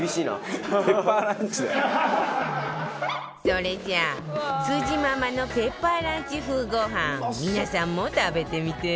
それじゃ辻ママのペッパーランチ風ご飯皆さんも食べてみて